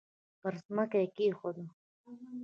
پر مځکه یې کښېږده!